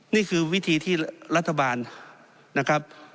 นี่คือวิธีที่รัฐบาลนะครับ